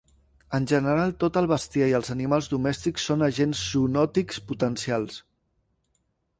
En general tot el bestiar i els animals domèstics són agents zoonòtics potencials.